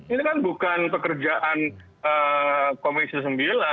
ini kan bukan pekerjaan komisi sembilan